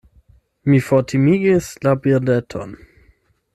Mi fortimigis la birdeton.